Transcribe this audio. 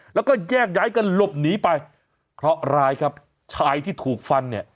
แล้วก็แยกย้ายกันหลบหนีไปเคราะหร้ายครับชายที่ถูกฟันเนี่ย